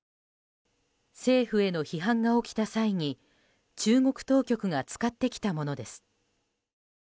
政府への批判が起きた際に中国当局が使ってきたものです。